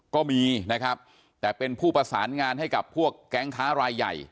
ก็มีนะครับแต่เป็นผู้ประสานงานให้กับพวกแก๊งค้ารายใหญ่